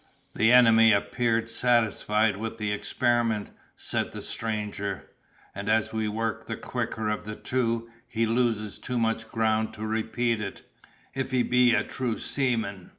"The enemy appear satisfied with the experiment," said the stranger; "and as we work the quicker of the two, he loses too much ground to repeat it, if he be a true seaman."